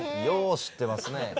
よう知ってますね。